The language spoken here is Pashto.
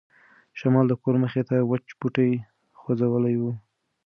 شمال د کور مخې ته وچ بوټي خوځولي وو.